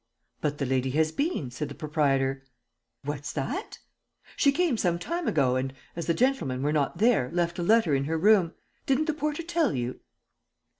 "But the lady has been," said the proprietor. "What's that?" "She came some time ago and, as the gentlemen were not there, left a letter in her room. Didn't the porter tell you?"